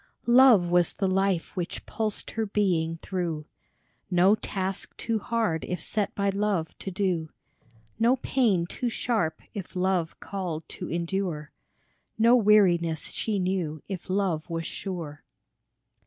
Love was the life which pulsed her being through ; No task too hard if set by Love to do, No pain too sharp if Love called to endure, No weariness she knew if Love was sure.